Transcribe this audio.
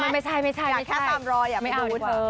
มั้ยคิวบาเบาอยุ่๕๘ละ